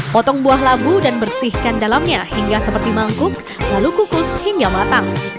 potong buah labu dan bersihkan dalamnya hingga seperti mangkuk lalu kukus hingga matang